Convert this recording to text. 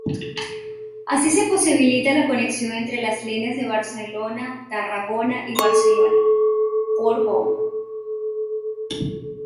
Así se posibilita la conexión entre las líneas de Barcelona-Tarragona y Barcelona-Portbou.